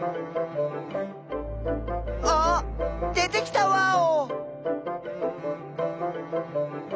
あ出てきたワオ！